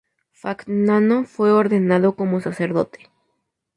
Fagnano fue ordenado como sacerdote.